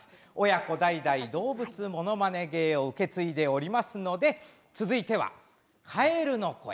親子代々、動物ものまね芸を受け継いでおりますので続いてはカエルの声。